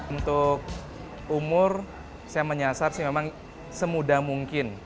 untuk umur saya menyasar sih memang semudah mungkin